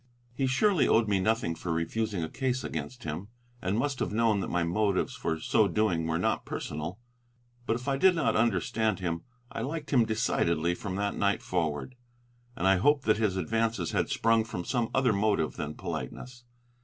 He surely owed me nothing for refusing a case against him, and must have known that my motives for so doing were not personal. But if I did not understand him, I liked him decidedly from that night forward, and I hoped that his advances had sprung from some other motive than politeness.